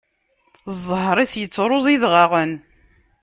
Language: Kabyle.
Zzheṛ-is ittṛuẓu idɣaɣen.